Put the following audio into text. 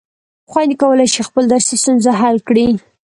خویندې کولای شي خپلې درسي ستونزې حل کړي.